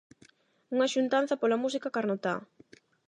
Unha xuntanza pola música carnotá.